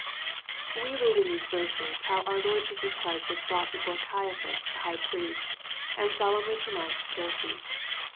We read in these verses how our Lord Jesus Christ was brought before Caiaphas the high priest, and solemnly pronounced guilty.